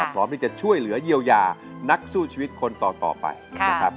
พร้อมที่จะช่วยเหลือเยียวยานักสู้ชีวิตคนต่อไปนะครับ